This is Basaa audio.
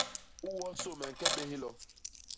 U wonsô me ñke bé hilo.